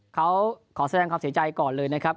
เขาขอแสดงความเสียใจก่อนเลยนะครับ